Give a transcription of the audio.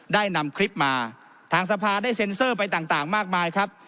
ได้นำคลิปมาทางสภาได้เซ็นเซอร์ไปต่างมากมายครับ